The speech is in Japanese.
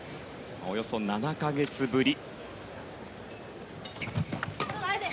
およそ７か月ぶり。